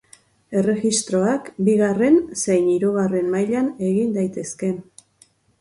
Erregistroak bigarren zein hirugarren mailan egin daitezke.